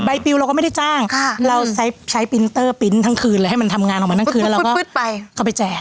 ปิวเราก็ไม่ได้จ้างเราใช้ปรินเตอร์ปริ้นต์ทั้งคืนเลยให้มันทำงานออกมาทั้งคืนแล้วเราก็เข้าไปแจก